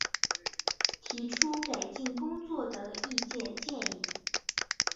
提出改进工作的意见建议